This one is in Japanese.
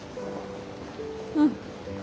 うん。